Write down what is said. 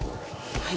はい。